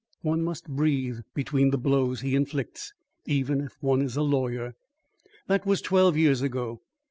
One must breathe between the blows he inflicts, even if one is a lawyer. "That was twelve years ago.